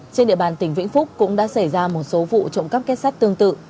trên địa bàn tỉnh vĩnh phúc cũng đã xảy ra một số vụ trộm cắp kết sắt tương tự